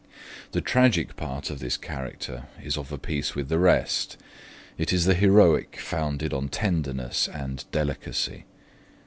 The tragic part of this character is of a piece with the rest. It is the heroic founded on tenderness and delicacy.